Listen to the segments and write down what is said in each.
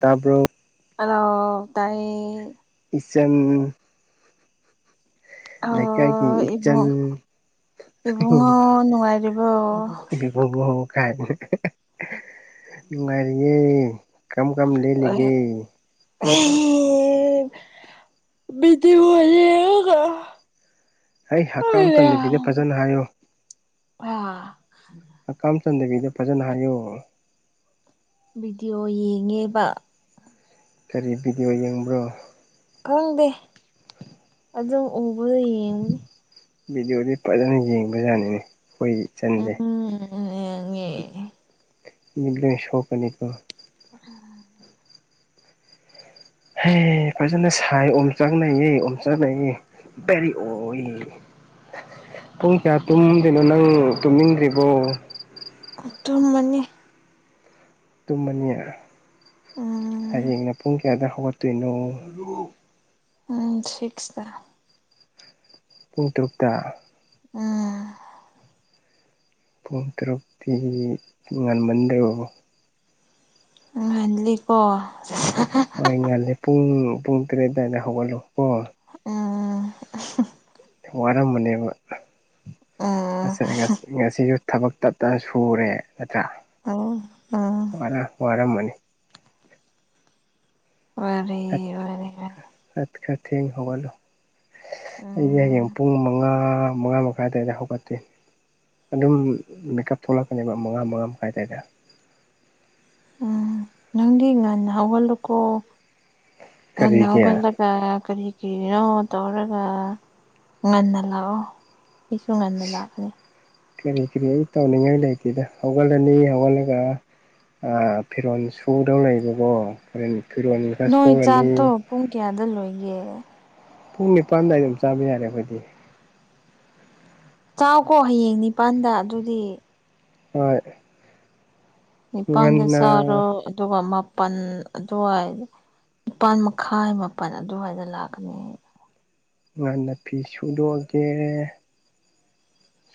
ꯇꯥꯕ꯭ꯔꯣ ꯍꯜꯂꯣ ꯇꯥꯏꯌꯦ ꯏꯆꯟ ꯂꯩꯀꯥꯏꯒꯤ ꯑꯣ ꯏꯆꯟ ꯏꯕꯨꯡ [unintelligible] ꯏꯕꯨꯡꯉꯣ ꯅꯨꯡꯉꯥꯏꯔꯤꯕꯣ ꯄꯨꯡ ꯑꯍꯨꯝ ꯃꯈꯥꯏ ꯅꯨꯡꯉꯥꯏꯔꯤꯌꯦ ꯀꯝ ꯀꯝ ꯂꯦꯟꯂꯤꯒꯦ [unintelligible] ꯕꯤꯗꯤꯌꯣ ꯌꯦꯡꯉꯒ ꯑꯩ ꯍꯛꯀꯥꯝ ꯆꯟꯗꯕꯤꯗ ꯐꯥꯖꯅ ꯍꯥꯏꯌꯣ ꯍꯥ ꯍꯀꯥꯝ ꯆꯟꯗꯕꯤꯗ ꯐꯥꯖꯅ ꯍꯥꯏꯌꯣ ꯚꯗꯤꯑꯣ ꯌꯦꯡꯉꯦꯕ ꯀꯔꯤ ꯚꯤꯗꯤꯑꯣ ꯌꯦꯡꯕ꯭ꯔꯣ ꯈꯪꯗꯦ ꯑꯗꯨꯝ ꯎꯕꯗꯣ ꯌꯦꯡꯕꯅꯤ ꯚꯤꯗꯤꯑꯣꯗꯤ ꯐꯥꯖꯅ ꯌꯦꯡꯕ ꯌꯥꯠꯅꯤꯅꯦ ꯑꯩꯈꯣꯏꯒꯤ ꯏꯆꯟꯖꯦ ꯎꯝ ꯌꯦꯡꯉꯦ ꯃꯤꯠꯀ ꯁꯣꯛꯀꯅꯤꯀꯣ [unintelligible] ꯍꯦ ꯐꯥꯖꯅ ꯁꯥꯏ ꯑꯣꯝꯆꯥꯛ ꯅꯩꯌꯦ ꯑꯣꯝꯆꯥꯛ ꯅꯩꯌꯦ ꯗꯥꯏꯔꯦꯛ ꯑꯣ ꯄꯨꯡ ꯀꯌꯥ ꯇꯨꯝꯗꯣꯏꯅꯣ ꯅꯪ ꯇꯨꯝꯅꯤꯡꯗ꯭ꯔꯤꯕꯣ ꯑꯥ ꯇꯨꯝꯃꯅꯤ ꯇꯨꯝꯃꯅꯤ ꯎꯝ ꯍꯌꯦꯡꯅ ꯄꯨꯡ ꯀꯌꯥꯗ ꯍꯧꯒꯠꯇꯣꯏꯅꯣ ꯎꯝ ꯁꯤꯁꯛꯇ ꯄꯨꯡ ꯇꯔꯨꯛꯇꯥ ꯑꯥ ꯄꯨꯡ ꯇꯔꯨꯛꯇꯤ ꯉꯜꯃꯟꯗ꯭ꯔꯣ ꯉꯟꯒꯅꯤꯀꯣ [unintelligible] ꯑꯩ ꯉꯥꯜꯂꯦ ꯄꯨꯡ ꯄꯨꯡ ꯇꯔꯦꯠ ꯑꯗꯨꯋꯥꯏꯗ ꯍꯧꯒꯠꯂꯣ ꯀꯣ ꯎꯝ ꯋꯥꯔꯝꯃꯅꯤꯕ ꯎꯝ ꯉꯁꯥꯏ ꯉꯁꯤ ꯉꯁꯤꯁꯨ ꯊꯕꯛ ꯇꯞ ꯇꯥꯏ ꯁꯨꯔꯦ ꯅꯠꯇ꯭ꯔꯥ ꯇꯧꯋꯣ [unintelligible] ꯋꯥꯔ ꯋꯥꯔꯝꯃꯅꯤ ꯋꯥꯔꯦ ꯋꯥꯔꯦ ꯈꯔ ꯊꯦꯡꯅ ꯍꯧꯒꯠꯂꯨ ꯑꯩꯁꯦ ꯍꯌꯦꯡ ꯎꯝ ꯄꯨꯡ ꯃꯉꯥ ꯃꯉꯥ ꯃꯈꯥꯏꯗꯨꯋꯥꯏꯗ ꯍꯧꯒꯠꯂꯦ ꯑꯗꯨꯝ ꯃꯦꯀꯞ ꯊꯣꯛꯂꯛꯀꯅꯦꯕ ꯃꯉꯥ ꯃꯉꯥ ꯃꯈꯥꯏꯗꯨꯋꯥꯏꯗ ꯎꯝ ꯅꯪꯒꯤ ꯉꯅꯥ ꯍꯧꯒꯠꯂꯨꯀꯣ ꯉꯟꯅ ꯀꯔꯤꯒꯤ ꯍꯧꯒꯠ ꯀꯔꯤ ꯀꯔꯤꯅꯣ ꯇꯧꯔꯒ ꯉꯟꯅ ꯂꯥꯛꯑꯣ ꯑꯩꯁꯨ ꯉꯟꯅ ꯂꯥꯛꯀꯅꯤ ꯀꯔꯤ ꯀꯔꯤ ꯑꯩ ꯇꯧꯅꯤꯡꯉꯥꯏ ꯂꯩꯇꯦꯗ ꯍꯧꯒꯠꯂꯅꯤ ꯍꯧꯒꯠꯂꯒ ꯑꯥ ꯐꯔꯣꯟ ꯁꯧꯗꯧ ꯂꯩꯕꯀꯣ ꯐꯔꯣꯟ ꯈꯔ ꯅꯣꯏ ꯁꯣꯔꯅꯤ ꯆꯥꯛꯇꯣ ꯄꯨꯡ ꯀꯌꯥꯗ ꯂꯣꯏꯒꯦ ꯄꯨꯡ ꯅꯤꯄꯥꯟꯋꯥꯏꯗ ꯑꯗꯨꯝ ꯆꯥꯕ ꯌꯥꯔꯦ ꯑꯩꯈꯣꯏꯗꯤ ꯆꯥꯎꯀꯣ ꯍꯌꯦꯡ ꯅꯤꯄꯥꯟꯗ ꯑꯗꯨꯗꯤ ꯍꯣꯏ ꯅꯤꯄꯥꯜꯗ ꯉꯟꯅ ꯆꯥꯔꯣ ꯑꯗꯨꯒ ꯃꯥꯄꯜ ꯑꯗꯨꯋꯥꯏꯗ ꯅꯤꯄꯥꯜ ꯃꯈꯥꯏ ꯃꯥꯄꯜ ꯑꯗꯨꯋꯥꯏꯗ ꯂꯥꯛꯀꯅꯤ ꯉꯟꯅ ꯐꯤ ꯁꯨꯗꯣꯛꯑꯒꯦ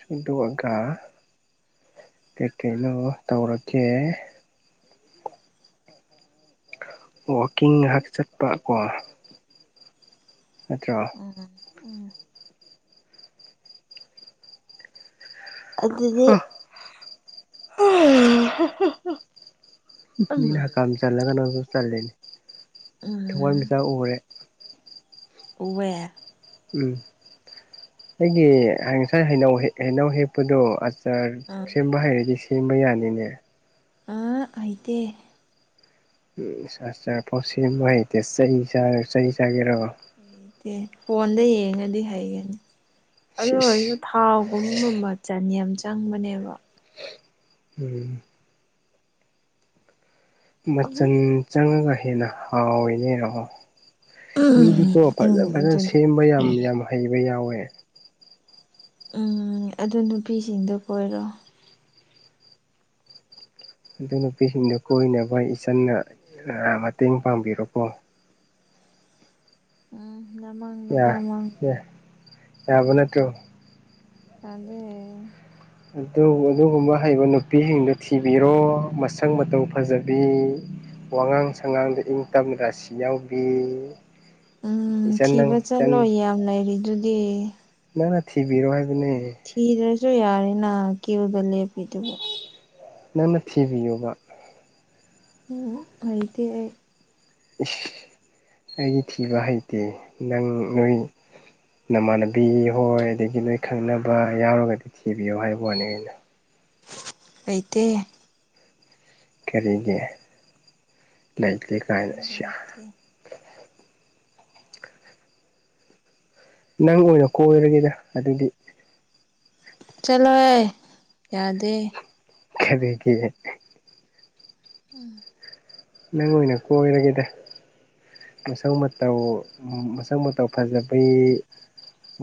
ꯁꯨꯗꯣꯛꯑꯒ ꯀꯩꯀꯩꯅꯣ ꯇꯧꯔꯀꯦ ꯋꯥꯛꯀꯤꯡ ꯉꯥꯛ ꯆꯠꯄ ꯀꯣ ꯅꯠꯇ꯭ꯔꯣ ꯎꯝ ꯎꯝ ꯑꯗꯨꯗꯤ ꯎꯝ ꯃꯤꯅ ꯍꯀꯝ ꯆꯜꯂꯒ ꯅꯪꯁꯨ ꯆꯜꯂꯤꯅꯤ ꯎꯝ ꯊꯋꯥꯟꯃꯤꯆꯥꯛ ꯎꯔꯦ ꯎꯋꯦ ꯎꯝ ꯑꯩꯒꯤ ꯉꯁꯥꯏ ꯍꯩꯅꯧ ꯍꯩꯅꯧ ꯍꯦꯛꯄꯗꯨ ꯑꯗꯨ ꯆꯔ ꯑ ꯁꯦꯝꯕ ꯍꯥꯏꯔꯗꯤ ꯁꯦꯝꯕ ꯌꯥꯅꯤꯅꯦ ꯑꯥ ꯍꯩꯇꯦ ꯑꯝ ꯑꯥꯔꯇꯥꯔꯐꯥꯎ ꯁꯦꯝꯕ ꯍꯩꯇꯦ ꯆ ꯆꯩ ꯆꯥꯒꯦꯔꯣ ꯍꯩꯇꯦ ꯐꯣꯟꯗ ꯌꯦꯡꯉꯗꯤ ꯍꯩꯒꯅꯤ ꯑꯗꯨ ꯑꯣꯏꯔꯁꯨ ꯁꯤꯁ ꯊꯥꯎꯒꯨꯝꯕ ꯃꯆꯥꯟ ꯌꯥꯝ ꯆꯪꯕꯅꯦꯕ ꯎꯝ ꯑꯗꯨꯝ ꯃꯆꯜ ꯆꯪꯉꯒ ꯍꯦꯟꯅ ꯍꯥꯎꯏꯅꯦ ꯌꯦꯡꯉꯣ ꯎꯝ ꯃꯤꯗꯤꯀꯣ ꯎꯝ ꯐꯖ ꯐꯖꯅ ꯑꯗꯨꯅꯦ ꯁꯦꯝꯕ ꯌꯥꯝ ꯌꯥꯝ ꯍꯩꯕ ꯌꯥꯎꯋꯦ ꯎꯝ ꯑꯗꯨ ꯅꯨꯄꯤꯁꯤꯡꯗꯣ ꯀꯣꯏꯔꯣ ꯑꯗꯨ ꯅꯨꯄꯤꯁꯤꯡꯗꯣ ꯀꯣꯏꯅꯕ ꯏꯆꯟꯅ ꯃꯇꯦꯡ ꯄꯥꯡꯕꯤꯔꯣꯀꯣ ꯎꯝ ꯅꯃꯥꯡ ꯌꯥ ꯅꯄꯥꯃꯥꯡ ꯌꯥ ꯌꯥꯕ ꯅꯠꯇ꯭ꯔꯣ ꯌꯥꯗꯦ ꯑꯗꯨꯒꯨꯝꯕ ꯍꯩꯕ ꯅꯨꯄꯤꯁꯤꯡꯗꯨ ꯊꯤꯕꯤꯔꯣ ꯃꯁꯛ ꯃꯇꯧ ꯐꯖꯕꯤ ꯋꯥꯉꯥꯡ ꯁꯉꯥꯡꯗ ꯏꯪ ꯇꯝ ꯔꯥꯁꯤ ꯌꯥꯎꯕꯤ ꯎꯝ ꯏꯆꯟ ꯊꯤꯕ ꯅꯪ ꯏꯆꯟ ꯆꯠꯂꯣꯏ ꯌꯥꯝ ꯂꯩꯔꯤꯗꯨꯗꯤ ꯅꯪꯅ ꯊꯤꯕꯤꯔꯣ ꯍꯥꯢꯕꯅꯦ ꯊꯤꯗ꯭ꯔꯁꯨ ꯌꯥꯔꯦꯅ ꯀ꯭ꯌꯨꯗ ꯂꯦꯞꯄꯤꯗꯨꯕꯨ ꯅꯪꯅ ꯊꯤꯕꯤꯌꯨꯕ ꯎꯝ ꯍꯩꯗꯦ ꯑꯩ ꯢꯁ ꯑꯩꯗꯤ ꯊꯤꯕ ꯍꯥꯏꯇꯦ ꯅꯪ ꯅꯣꯏ ꯅꯃꯥꯟꯅꯕꯤ ꯍꯣꯏ ꯑꯗꯒꯤ ꯅꯣꯏ ꯈꯪꯅꯕ ꯌꯥꯎꯔꯒꯗꯤ ꯊꯤꯕꯤꯌꯨ ꯍꯥꯏꯕꯩ ꯋꯥꯅꯤ ꯑꯩꯅ ꯂꯩꯇꯦ ꯀꯔꯤꯒꯤ ꯂꯩꯇꯦ ꯀꯥꯏꯅ ꯁꯤꯌꯥ ꯍꯩꯇꯦ ꯅꯪ ꯑꯣꯏꯅ ꯀꯣꯏꯔꯒꯦꯗ ꯑꯗꯨꯗꯤ ꯆꯠꯂꯣꯍꯦ ꯌꯥꯗꯦ ꯀꯔꯤꯒꯤ [unintelligible] ꯅꯪ ꯑꯣꯏꯅ ꯀꯣꯏꯔꯒꯦꯗ ꯃꯁꯛ ꯃꯇꯧ ꯃꯁꯛ ꯃꯇꯧ ꯐꯖꯕꯤ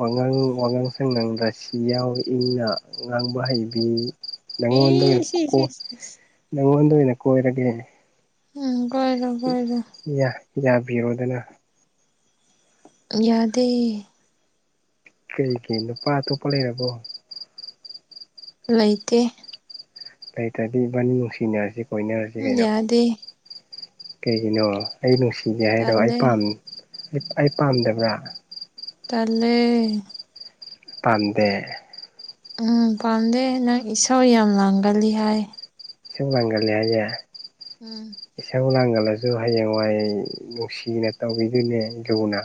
ꯋꯥꯉꯥꯡ ꯋꯥꯉꯥꯡ ꯁꯉꯥꯡ ꯔꯥꯁꯤ ꯌꯥꯎ ꯏꯪꯅ ꯉꯥꯡꯕ ꯍꯩꯕꯤ ꯅꯪꯉꯣꯟꯗ ꯑꯣꯏꯅ ꯏꯁ ꯏꯁ ꯀꯣꯏ ꯏꯁ ꯏꯁ ꯅꯪꯉꯣꯟꯗ ꯑꯣꯏꯅ ꯀꯣꯏꯔꯒꯦ ꯎꯝ ꯀꯣꯏꯔꯣ ꯀꯣꯏꯔꯣ ꯏꯃꯥ ꯌꯥꯕꯤꯔꯣꯗꯅ ꯌꯥꯗꯦ ꯀꯩꯒꯤ ꯅꯨꯄꯥ ꯑꯇꯣꯞꯄ ꯂꯩꯔꯕꯣ ꯂꯩꯇꯦ ꯂꯩꯇ꯭ꯔꯗꯤ ꯏꯕꯥꯅꯤ ꯅꯨꯡꯁꯤꯅꯔꯖꯤ ꯀꯣꯏꯅꯔꯖꯤ ꯀꯩꯅꯣ ꯌꯥꯗꯦ ꯀꯩꯒꯤꯅꯣ ꯑꯩ ꯅꯨꯡꯁꯤꯗꯦ ꯍꯥꯏꯔꯣ ꯑꯩ ꯇꯜꯂꯦ ꯄꯥꯝ ꯑꯩ ꯄꯥꯝꯗꯕ꯭ꯔꯥ ꯇꯜꯂꯦ ꯄꯥꯝꯗꯦ ꯎꯝ ꯄꯥꯝꯗꯦ ꯅꯪ ꯏꯁꯧ ꯌꯥꯝ ꯂꯥꯡꯒꯜꯂꯤ ꯍꯥꯏ ꯏꯁꯧ ꯂꯥꯡꯒꯟꯂꯤ ꯍꯥꯏꯌꯦ ꯎꯝ ꯏꯁꯧ ꯂꯥꯡꯒꯜꯂꯁꯨ ꯍꯌꯦꯡꯋꯥꯏ ꯅꯨꯡꯁꯤꯅ ꯇꯧꯕꯤꯗꯨꯅꯦ ꯂꯨꯅ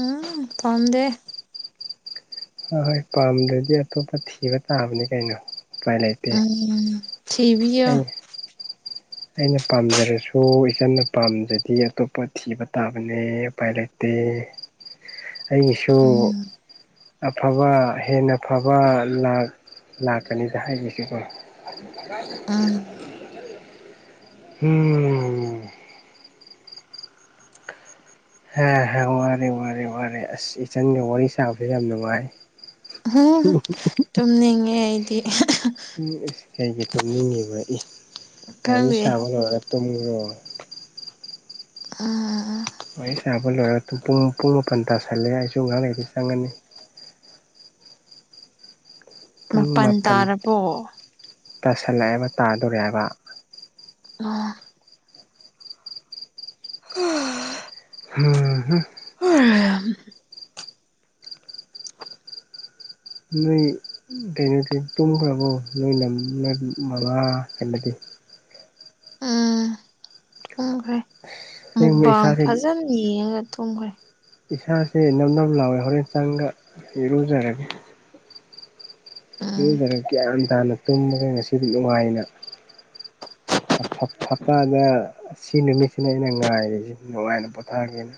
ꯎꯝ ꯄꯝꯗꯦ ꯍꯣꯏ ꯍꯣꯏ ꯄꯥꯝꯗ꯭ꯔꯗꯤ ꯑꯇꯣꯞꯄ ꯊꯤꯕ ꯇꯥꯕꯅꯤ ꯀꯩꯅꯣ ꯎꯄꯥꯏ ꯂꯩ ꯎꯝ ꯊꯤꯕꯤꯌꯣ ꯑꯩꯅ ꯄꯥꯝꯖꯔꯁꯨ ꯏꯆꯟꯅ ꯄꯥꯝꯗ꯭ꯔꯗꯤ ꯑꯇꯣꯞꯄ ꯊꯤꯕ ꯇꯥꯕꯅꯦ ꯎꯄꯥꯏ ꯂꯩꯇꯦ ꯑꯩꯒꯤꯁꯨ ꯎꯝ ꯑꯐꯕ ꯍꯦꯟꯅ ꯐꯕ ꯂꯥꯛ ꯂꯥꯛꯀꯅꯤꯗ ꯍꯥꯏꯔꯤꯁꯤꯀꯣ [unintelligible] ꯎꯝ ꯎꯝ ꯍ ꯍ ꯋꯥꯔꯦ ꯋꯥꯔꯦ ꯋꯥꯔꯦ ꯑꯁ ꯏꯆꯟꯒ ꯋꯥꯔꯤ ꯁꯥꯕꯁꯦ ꯌꯥꯝ ꯅꯨꯡꯉꯥꯏ ꯇꯨꯝꯅꯤꯡꯉꯦ ꯑꯩꯗꯤ ꯎꯝ ꯏꯁ ꯀꯩꯒꯤ ꯇꯨꯝꯅꯤꯡꯉꯤꯕ ꯑꯦ ꯋꯥꯔꯤ ꯈꯪꯗꯦ ꯁꯥꯕ ꯂꯣꯏꯔꯒ ꯇꯨꯝꯒ꯭ꯔꯣ ꯑꯥ ꯋꯥꯔꯤ ꯁꯥꯕ ꯂꯣꯏꯔ ꯑꯗꯨ ꯄꯨꯡ ꯄꯨꯡ ꯃꯥꯄꯟ ꯇꯥꯁꯜꯂꯦ ꯑꯩꯁꯨ ꯉꯍꯥꯛ ꯂꯩꯩꯔꯗꯤ ꯆꯪꯉꯅꯤ ꯄꯨꯡ ꯃꯥꯄꯜ ꯃꯥꯄꯟ ꯇꯥꯔꯕꯣ ꯇꯥꯁꯜꯂꯛꯑꯦꯕ ꯇꯥꯗꯣꯔꯦꯕ [unintelligible] [unintelligible] [unintelligible] [unintelligible] ꯅꯣꯏ ꯀꯩꯅꯣꯗꯤ ꯇꯨꯝꯒ꯭ꯔꯕꯣ ꯅꯣꯏ ꯅꯝ ꯅꯣꯏ ꯃꯃꯥ ꯀꯩꯅꯣꯗꯤ ꯎꯝ ꯇꯨꯝꯈ꯭ꯔꯦ ꯑꯁꯦꯡꯕ ꯃꯨꯛꯕꯥꯡ ꯏꯁꯥꯁꯦ ꯐꯖꯅ ꯌꯦꯡꯉꯒ ꯇꯨꯝꯈ꯭ꯔꯦ ꯏꯁꯥꯁꯦ ꯅꯞ ꯅꯞ ꯂꯥꯎꯋꯦ ꯍꯣꯔꯦꯟ ꯆꯪꯒ ꯏꯔꯨꯖꯔꯒꯦ ꯎꯝ ꯏꯔꯨꯖꯔ ꯒ꯭ꯌꯥꯟ ꯇꯥꯅ ꯇꯨꯝꯃꯒꯦ ꯉꯁꯤꯗꯤ ꯅꯨꯡꯉꯥꯏꯅ [unintelligible] ꯑꯁꯤ ꯅꯨꯃꯤꯠꯁꯤꯅ ꯑꯩꯅ ꯉꯥꯏꯔꯤꯁꯤ ꯅꯨꯡꯉꯥꯏꯅ ꯄꯣꯠꯊꯥꯒꯦꯅ꯫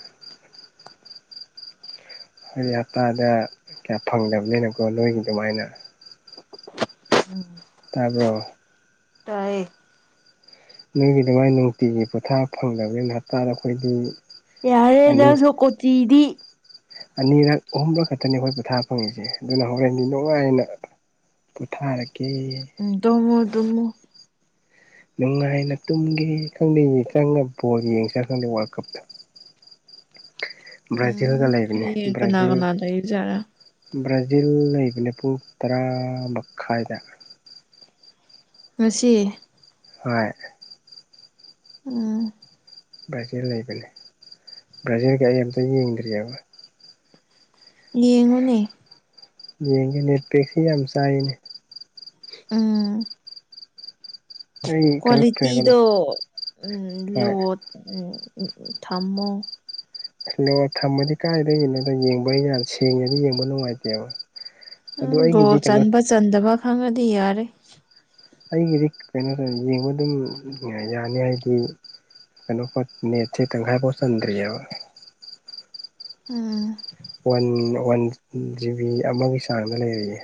ꯑꯩꯗꯤ ꯍꯞꯇꯥꯗ ꯀꯌꯥ ꯐꯪꯗꯕꯅꯤꯅꯀꯣ ꯅꯣꯏꯒꯤ ꯑꯗꯨꯃꯥꯏꯅ꯫ [unintelligible] ꯇꯥꯔꯕ꯭ꯔꯣ꯫ ꯇꯥꯑꯦ꯫ ꯅꯣꯏꯒꯤ ꯑꯗꯨꯃꯥꯏ ꯅꯨꯡꯇꯤꯒꯤ ꯄꯣꯊꯥ ꯐꯪꯗꯕꯅꯤꯅ ꯍꯞꯇꯥꯗ ꯑꯩꯈꯣꯏꯗꯤ ꯌꯥꯔꯦ ꯑꯅꯤ ꯅꯁꯨꯣ ꯀꯣꯠꯇꯤꯗꯤ꯫ ꯑꯅꯤꯔꯛ ꯑꯍꯨꯝꯔꯛ ꯈꯛꯇꯅꯤ ꯑꯩꯈꯣꯏ ꯄꯣꯊꯥ ꯐꯪꯉꯤꯁꯦ ꯑꯗꯨꯅ ꯍꯧꯒꯠꯅꯤꯡꯗ ꯅꯨꯡꯉꯥꯏꯅ ꯄꯨꯊꯥꯔꯒꯦ꯫ ꯎꯝ ꯇꯨꯝꯃꯨ ꯇꯨꯝꯃꯨ꯫ ꯅꯨꯡꯉꯥꯏꯅ ꯇꯨꯝꯒꯦ ꯈꯪꯗꯦ ꯆꯪꯉꯒ ꯕꫭꯜ ꯌꯦꯡ ꯆꯥ ꯈꯪꯗꯦ ꯋꯥꯔꯜ ꯀꯞꯇ꯫ ꯕ꯭ꯔꯥꯖꯤꯜꯒ ꯎꯝ ꯂꯩꯕꯅꯦ ꯍꯌꯦꯡ ꯀꯅꯥ ꯕ꯭ꯔꯥꯖꯤꯜ ꯀꯅꯥ ꯂꯩꯕꯖꯥꯠꯔꯥ ꯕ꯭ꯔꯥꯖꯤꯜ ꯂꯩꯕꯅꯦ ꯄꯨꯡ ꯇꯔꯥ ꯃꯈꯥꯏꯗ꯫ ꯉꯁꯤ꯫ ꯍꯣꯏ꯫ ꯎꯝ꯫ ꯕ꯭ꯔꯥꯖꯤꯜ ꯂꯩꯕꯅꯦ ꯕ꯭ꯔꯥꯖꯤꯜꯒꯤ ꯑꯩ ꯑꯝꯇ ꯌꯦꯡꯗ꯭ꯔꯤ ꯑꯥꯏꯕ꯫ ꯌꯦꯡꯉꯨꯅꯦ꯫ ꯌꯦꯡꯒꯦ ꯅꯦꯠꯄꯦꯛꯁꯤ ꯌꯥꯝ ꯆꯥꯏꯅꯦ꯫ ꯎꯝ꯫ ꯑꯩ ꯀꯩꯅꯣ ꯀꯩꯅꯣ ꯍꯣꯏ ꯀ꯭ꯋꯥꯂꯤꯇꯤꯗꯣ ꯎꯝ ꯂꯣ ꯎꯝ ꯊꯝꯃꯣ꯫ ꯂꯣ ꯊꯝꯃꯗꯤ ꯀꯥꯏꯗꯒꯤꯅꯣꯗ ꯌꯦꯡꯕ ꯑꯩꯅ ꯁꯦꯡꯉꯗꯤ ꯌꯦꯡꯕ ꯅꯨꯡꯉꯥꯏꯇꯦꯕ꯫ ꯎꯝ ꯑꯗꯨ ꯑꯩꯒꯤꯗꯤ ꯒꯣꯜ ꯀꯩꯅꯣ ꯆꯟꯕ ꯆꯟꯗꯕ ꯈꯪꯉꯗꯤ ꯌꯥꯔꯦ꯫ ꯑꯩꯒꯤꯗꯤ ꯀꯩꯅꯣꯗ ꯌꯦꯡꯕ ꯑꯗꯨꯝ ꯌꯥꯅꯤ ꯍꯥꯏꯗꯤ ꯀꯩꯅꯣꯄꯠ ꯅꯦꯠꯁꯦ ꯇꯪꯈꯥꯏ ꯐꯥꯎ ꯆꯟꯗ꯭ꯔꯤ ꯍꯥꯏꯕ꯫ ꯎꯝ꯫ ꯋꯥꯟ ꯋꯥꯟ ꯖꯤꯕꯤ ꯑꯃꯒꯤ ꯆꯥꯡꯗ ꯂꯩꯔꯤꯌꯦ꯫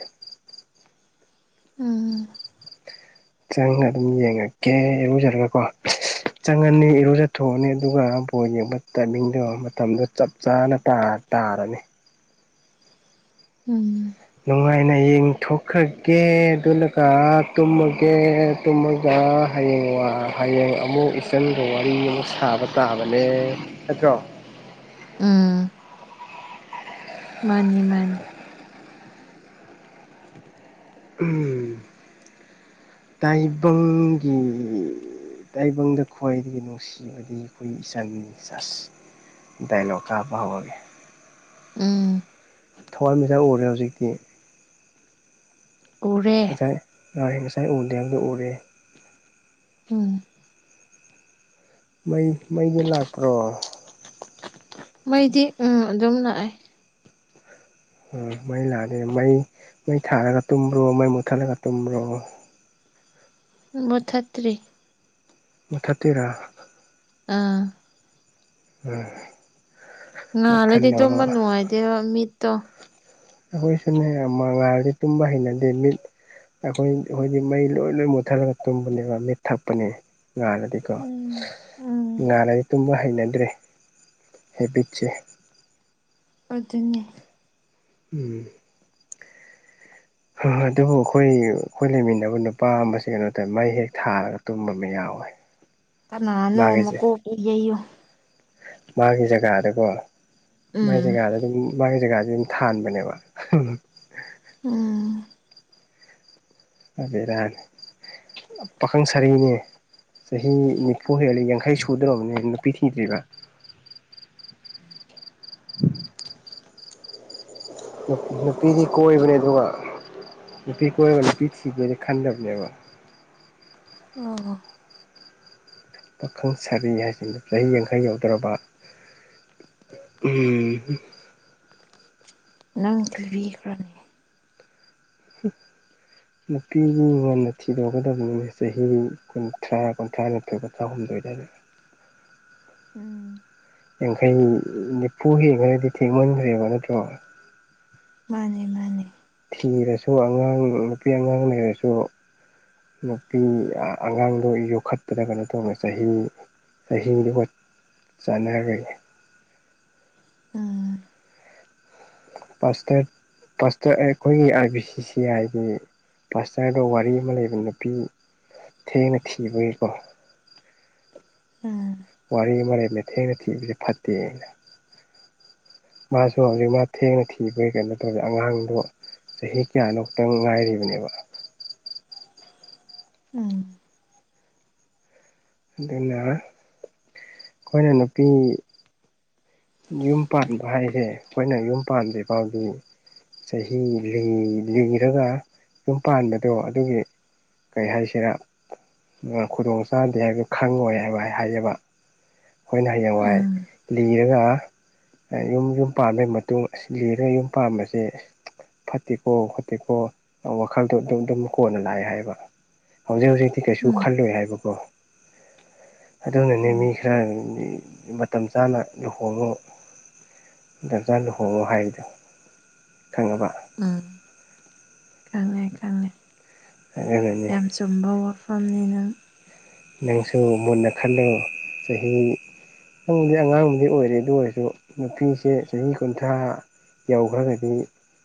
ꯎꯝ꯫ ꯆꯪꯉ ꯑꯗꯨꯝ ꯌꯦꯡꯉꯛꯀꯦ ꯏꯔꯨꯖꯔꯒꯀꯣ꯫ ꯆꯪꯉꯅꯤ ꯏꯔꯨꯖꯊꯣꯛꯑꯅꯤ ꯑꯗꯨꯒꯥ ꯕꯣꯜ ꯌꯦꯡꯕ ꯇꯥꯏꯃꯤꯡꯗꯣ ꯃꯇꯝꯗꯣ ꯆꯞ ꯆꯥꯅ ꯇꯥ ꯇꯥꯔꯅꯤ꯫ ꯎꯝ꯫ ꯅꯨꯡꯉꯥꯏꯅ ꯌꯦꯡꯊꯣꯛꯈ꯭ꯔꯒꯦ ꯑꯗꯨꯅꯒ ꯇꯨꯝꯑꯒꯦ꯫ ꯇꯨꯝꯃꯒ ꯍꯌꯦꯡ ꯋꯥ ꯍꯌꯦꯡ ꯑꯃꯨꯛ ꯏꯆꯟꯒ ꯋꯥꯔꯤ ꯑꯃꯨꯛ ꯁꯥꯕ ꯇꯥꯕꯅꯦ꯫ ꯅꯠꯇ꯭ꯔꯣ꯫ ꯎꯝ ꯃꯥꯅꯤ ꯃꯥꯅꯤ꯫ [unintelligible] ꯇꯥꯏꯕꯪꯒꯤ ꯇꯥꯏꯕꯪꯗ ꯈ꯭ꯋꯥꯏꯗꯒꯤ ꯅꯨꯡꯁꯤ ꯅꯨꯡꯁꯤꯕꯗꯤ ꯑꯈꯣꯏ ꯏꯆꯟꯅꯤ ꯁꯦꯁ ꯗꯥꯏꯂꯣꯛ ꯀꯥꯞꯄ ꯍꯧꯔꯒꯦ꯫ ꯎꯝ ꯊꯋꯥꯟ ꯃꯤꯆꯥꯛ ꯎꯔꯦ ꯍꯧꯖꯤꯛꯇꯤ꯫ ꯎꯔꯦ ꯉꯁꯥꯏ ꯉꯥꯏ ꯉꯁꯥꯏ ꯎꯗꯦ ꯍꯥꯏꯕꯗꯣ ꯎꯔꯦ꯫ ꯎꯝ꯫ ꯃꯩ ꯃꯩꯗꯤ ꯂꯥꯛꯄ꯭ꯔꯣ꯫ ꯃꯩꯗꯤ ꯎꯝ ꯑꯗꯨꯝ ꯂꯥꯛꯑꯦ꯫ ꯎꯝ ꯃꯩ ꯂꯥꯛꯑꯗꯤ ꯃꯩ ꯃꯩ ꯊꯥꯔꯒ ꯇꯨꯝꯕ꯭ꯔꯣ ꯃꯩ ꯃꯨꯠꯊꯠꯂꯒ ꯇꯨꯝꯕ꯭ꯔꯣ ꯃꯨꯊꯠꯇ꯭ꯔꯤ ꯃꯨꯊꯠꯇꯣꯏꯔꯥ ꯑꯥ ꯎꯝ ꯃꯈꯜ ꯉꯍꯥꯜꯂꯗꯤ ꯑꯃ ꯇꯨꯝꯕ ꯅꯨꯡꯉꯥꯏꯇꯦꯕ ꯃꯤꯠꯇꯣ ꯑꯈꯣꯏꯁꯨꯅꯦ ꯉꯥꯜꯂꯗꯤ ꯇꯨꯝꯕ ꯍꯩꯅꯗꯦ ꯃꯤꯠ ꯑꯩꯈꯣꯏ ꯑꯈꯣꯏꯗꯤ ꯃꯩ ꯂꯣꯏ ꯂꯣꯏ ꯃꯨꯠꯊꯠꯂꯒ ꯇꯨꯝꯕꯅꯦꯕ ꯃꯤꯠ ꯊꯛꯄꯅꯦ ꯉꯥꯜꯂꯗꯤꯀꯣ ꯎꯝ ꯎꯝ ꯉꯥꯜꯂꯗꯤ ꯇꯨꯝꯕ ꯍꯩꯅꯗ꯭ꯔꯦ ꯍꯦꯕꯤꯠꯁꯦ ꯑꯗꯨꯅꯦ ꯎꯝ ꯍꯣꯍꯣ ꯑꯗꯨꯕꯨ ꯑꯈꯣꯏ ꯑꯈꯣꯏ ꯂꯩꯃꯤꯟꯅꯕ ꯅꯨꯄꯥ ꯑꯃꯁꯤ ꯀꯩꯅꯣ ꯇꯧꯋꯦ ꯃꯩ ꯍꯦꯛ ꯊꯥꯔꯒ ꯇꯨꯝꯕ ꯑꯃ ꯌꯥꯎꯋꯦ ꯀꯌꯥꯅꯣ ꯃꯥꯒꯤꯁꯦ ꯃꯀꯣꯛꯇꯣ ꯌꯩꯌꯨ ꯃꯥꯒꯤ ꯖꯒꯥꯗꯀꯣ ꯎꯝ ꯃꯥꯒꯤ ꯖꯒꯥꯗ ꯑꯗꯨꯝ ꯃꯥꯒꯤ ꯖꯒꯥꯗꯨ ꯑꯗꯨꯝ ꯊꯥꯟꯕꯅꯦꯕ ꯎꯝ ꯄꯨꯔꯥ ꯕꯦꯔꯥꯅꯤ ꯄꯥꯈꯪ ꯁꯥꯔꯤꯅꯦ ꯆꯍꯤ ꯅꯤꯐꯨ ꯍꯦꯜꯂꯦ ꯌꯥꯡꯈꯩ ꯁꯨꯗꯣꯔꯕꯅꯦ ꯅꯨꯄꯤ ꯊꯤꯗ꯭ꯔꯤꯕ [inaudible] ꯅꯨꯄꯤꯗꯤ ꯀꯣꯏꯕꯅꯦ ꯑꯗꯨꯒ ꯅꯨꯄꯤ ꯀꯣꯏꯕ ꯅꯨꯄꯤ ꯊꯤꯗꯣꯏꯅꯤꯗꯤ ꯈꯟꯗꯕꯅꯦꯕ ꯑꯣ ꯍꯣ ꯄꯥꯈꯪ ꯁꯥꯔꯤ ꯍꯥꯏꯁꯤꯅꯤ ꯆꯍꯤ ꯌꯥꯡꯈꯩ ꯌꯧꯗꯣꯔꯕ ꯎꯝ ꯍꯨꯝ ꯅꯪ ꯊꯤꯕꯤꯈ꯭ꯔꯣꯅꯦ ꯍꯨꯝ [inaudible] ꯅꯨꯄꯤꯒꯤ ꯉꯟꯅ ꯊꯤꯗꯣꯛꯀꯗꯕꯅꯤꯅꯦ ꯆꯍꯤ ꯀꯨꯟꯊ꯭ꯔꯥ ꯀꯨꯟꯊ꯭ꯔꯥꯅꯤꯊꯣꯏ ꯀꯨꯟꯊ꯭ꯔꯥꯍꯨꯝꯗꯣꯏ ꯑꯗꯥꯏꯗ ꯎꯝ ꯌꯥꯡꯈꯩ ꯅꯤꯐꯨ ꯍꯦꯛꯈ꯭ꯔꯗꯤ ꯊꯦꯡꯃꯟꯈ꯭ꯔꯦꯕ ꯅꯠꯇ꯭ꯔꯣ ꯃꯥꯅꯦ ꯃꯥꯅꯦ ꯊꯤꯔꯁꯨ ꯑꯉꯥꯡ ꯅꯨꯄꯤ ꯑꯉꯥꯡ ꯂꯩꯔꯁꯨ ꯅꯨꯄꯤ ꯑꯉꯥꯡꯗꯣ ꯌꯣꯛꯈꯠꯄꯗ ꯀꯩꯅꯣ ꯇꯧꯋꯦ ꯆꯍꯤ ꯆꯍꯤꯗꯣ ꯍꯣꯢ ꯆꯥꯟꯅꯒ꯭ꯔꯦ ꯎꯝ [unintelligible] ꯑꯩꯈꯣꯏꯒꯤ [unintelligible] ꯑꯥꯏ ꯕꯤ ꯁꯤ ꯁꯤ ꯍꯥꯏꯗꯤ ꯄꯥꯁꯇꯔꯗ ꯋꯥꯔꯤ ꯑꯃ ꯂꯩꯕ ꯅꯨꯄꯤ ꯊꯦꯡꯅ ꯊꯤꯕꯒꯤꯀꯣ ꯎꯝ ꯋꯥꯔꯤ ꯑꯃ ꯂꯩꯕꯅꯦ ꯊꯦꯡꯅ ꯊꯤꯕꯁꯦ ꯐꯠꯇꯦ ꯑꯦꯅ ꯃꯥꯁꯨ ꯍꯧꯖꯤꯛ ꯃꯥ ꯊꯦꯡꯅ ꯊꯤꯕꯒꯤ ꯀꯩꯅꯣ ꯇꯧꯋꯦ ꯑꯉꯥꯡꯗꯣ ꯆꯍꯤ ꯀꯌꯥꯅꯣ ꯈꯨꯛꯇꯪ ꯉꯥꯏꯔꯤꯕꯅꯦꯕ ꯎꯝ ꯑꯗꯨꯅ ꯑꯩꯈꯣꯏꯅ ꯅꯨꯄꯤ ꯌꯨꯝ ꯄꯥꯟꯕ ꯍꯥꯏꯁꯦ ꯑꯩꯈꯣꯏꯅ ꯌꯨꯝ ꯄꯥꯟꯗ꯭ꯔꯤ ꯐꯥꯎꯗꯤ ꯆꯍꯤ ꯂꯤꯔꯒ ꯌꯨꯝ ꯄꯥꯟꯕꯗꯣ ꯑꯗꯨꯒꯤ ꯀꯔꯤ ꯍꯥꯏꯁꯤꯔꯥ ꯈꯨꯗꯣꯡ ꯆꯥꯗꯦ ꯍꯥꯏꯕꯗꯨ ꯈꯪꯉꯣꯏ ꯍꯥꯏꯕ ꯑꯩ ꯍꯥꯏꯒꯦꯕ ꯑꯩꯈꯣꯏꯅ ꯍꯌꯦꯡꯋꯥꯏ ꯎꯝ ꯂꯤꯔꯒ ꯌꯨꯝ ꯌꯨꯝ ꯄꯥꯟꯕꯩ ꯃꯇꯨꯡ ꯂꯤꯔꯒ ꯌꯨꯝ ꯄꯥꯟꯕꯁꯦ ꯐꯠꯇꯦꯀꯣ ꯐꯠꯇꯦꯀꯣ ꯋꯥꯈꯜꯗꯣ ꯑꯗꯨꯝ ꯑꯗꯨꯝ ꯀꯣꯟꯅ ꯂꯥꯛꯑꯦ ꯍꯥꯏꯕ ꯍꯧꯖꯤꯛ ꯍꯧꯖꯤꯛꯇꯤ ꯀꯩꯁꯨ ꯎꯝ ꯈꯜꯂꯣꯏ ꯍꯥꯏꯕꯀꯣ ꯑꯗꯨꯅꯅꯦ ꯎꯝ ꯃꯤ ꯈꯔꯅ ꯃꯇꯝ ꯆꯥꯅ ꯂꯨꯍꯣ ꯨ ꯍꯣꯡꯉꯣ ꯃꯇꯝ ꯆꯥꯅ ꯂꯨꯍꯣꯡꯉꯣ ꯍꯥꯏꯕꯗꯨ ꯈꯪꯉꯕ ꯎꯝ ꯈꯪꯉꯦ ꯈꯪꯉꯦ [unintelligible] ꯑꯆꯨꯝꯕ ꯋꯥꯐꯝꯅꯤ ꯅꯪ ꯅꯪꯁꯨ ꯃꯨꯟꯅ ꯈꯜꯂꯣ ꯆꯍꯤ ꯅꯪꯕꯨꯗꯤ ꯑꯉꯥꯡꯕꯨꯗꯤ ꯑꯣꯏꯔꯦ ꯑꯗꯨ ꯑꯣꯏꯔꯁꯨ ꯅꯨꯄꯤꯁꯦ ꯆꯍꯤ ꯀꯨꯟꯊ꯭ꯔꯥ ꯌꯧꯈ꯭ꯔꯒꯗꯤ